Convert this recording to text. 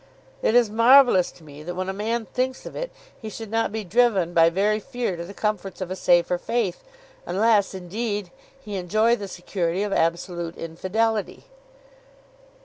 "It is marvellous to me that, when a man thinks of it, he should not be driven by very fear to the comforts of a safer faith, unless, indeed, he enjoy the security of absolute infidelity."